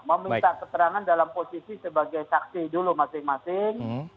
meminta keterangan dalam posisi sebagai saksi dulu masing masing